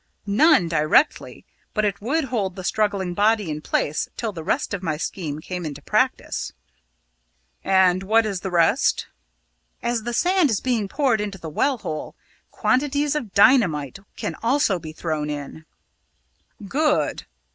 "None, directly; but it would hold the struggling body in place till the rest of my scheme came into practice." "And what is the rest?" "As the sand is being poured into the well hole, quantities of dynamite can also be thrown in!" "Good.